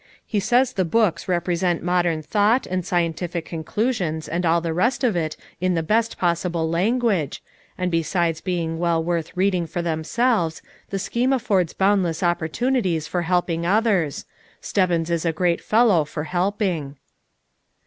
He says the books represent modern thought and recent scientific conclu sions and all the rest of it in the best possible language, and besides being well worth reading for themselves, the scheme affords boundless opportunities for helping others ; Stebbins is a great fellow for helping."